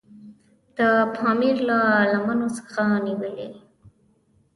د پامیر له لمنو څخه نیولې.